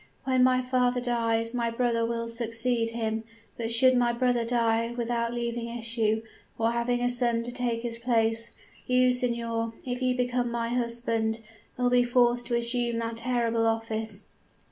When my father dies, my brother will succeed him, but should my brother die without leaving issue, or having a son to take his place, you, signor, if you become my husband, will be forced to assume the terrible office.'